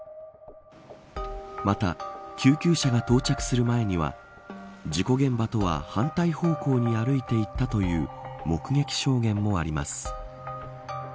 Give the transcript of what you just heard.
また救急車が到着する前には事故現場とは反対方向に歩いていったという目撃証言もあります。